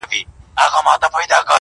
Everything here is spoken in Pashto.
زما اوزگړي زما پسونه دي چیچلي!